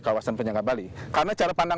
kawasan penyangga bali karena cara pandang